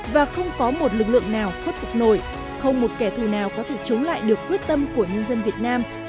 và không có một lực lượng nào khuất phục nổi không một kẻ thù nào có thể chống lại được quyết tâm của nhân dân việt nam